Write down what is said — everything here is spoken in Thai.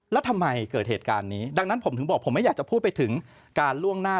แล้วทำไมเกิดเหตุการณ์นี้ดังนั้นผมถึงบอกผมไม่อยากจะพูดไปถึงการล่วงหน้า